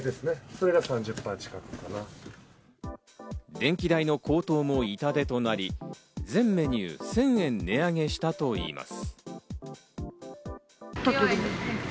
電気代の高騰も痛手となり、全メニュー１０００円値上げしたといいます。